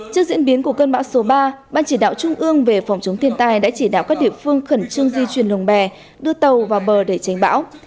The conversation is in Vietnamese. trước diễn biến của cơn bão số ba ban chỉ đạo trung ương về phòng chống thiên tai đã chỉ đạo các địa phương khẩn trương di chuyển lồng bè đưa tàu vào bờ để tránh bão